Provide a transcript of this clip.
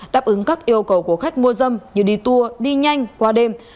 đáp ứng các yêu cầu của khách mua dâm như đi tour đi nhanh qua đêm